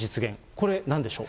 これなんでしょう。